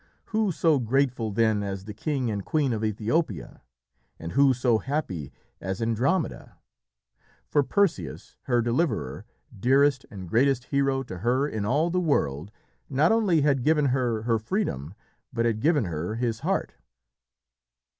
Who so grateful then as the king and queen of Ethiopia? and who so happy as Andromeda? for Perseus, her deliverer, dearest and greatest hero to her in all the world, not only had given her her freedom, but had given her his heart.